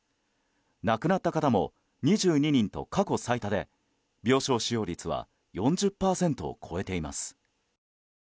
亡くなった方も２２人と過去最多で病床使用率は４０％を超えています。